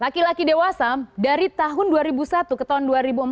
laki laki dewasa dari tahun dua ribu satu ke tahun dua ribu empat belas